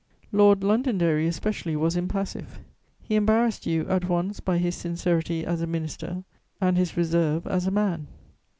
Lord Londonderry especially was impassive: he embarrassed you at once by his sincerity as a minister and his reserve as a man.